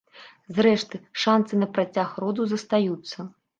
Зрэшты, шанцы на працяг роду застаюцца.